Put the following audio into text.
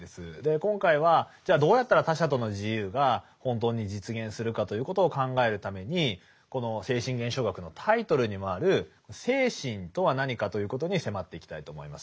今回はじゃあどうやったら他者との自由が本当に実現するかということを考えるためにこの「精神現象学」のタイトルにもある精神とは何かということに迫っていきたいと思います。